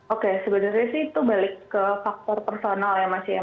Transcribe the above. oke sebenarnya sih itu balik ke faktor personal ya mas ya